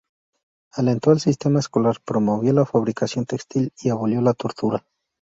Alentó el sistema escolar, promovió la fabricación textil y abolió la tortura.